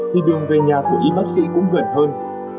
thì đường về nhà của y bác sĩ cũng gần hơn